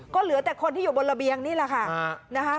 ก็เหลือแต่คนที่อยู่บนระเบียงนี่แหละค่ะนะคะ